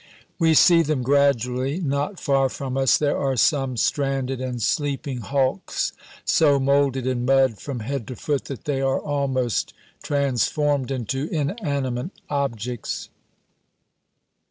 We see them gradually. Not far from us there are some stranded and sleeping hulks so molded in mud from head to foot that they are almost transformed into inanimate objects.